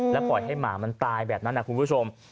ปล่อยให้หมามันตายแบบนั้นนะคุณผู้ชม